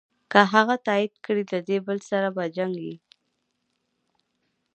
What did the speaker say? که هغه تایید کړې له دې بل سره په جنګ یې.